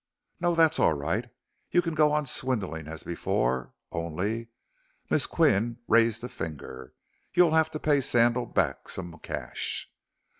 "No. That's all right. You can go on swindling as before, only," Miss Qian raised a finger, "you'll have to pay Sandal back some cash."